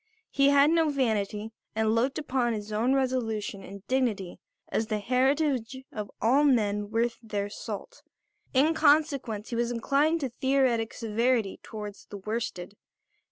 He had no vanity and looked upon his own resolution and dignity as the heritage of all men worth their salt; in consequence he was inclined to theoretic severity towards the worsted.